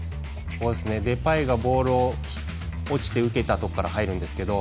デパイがボールを落ちて受けたところから入るんですけど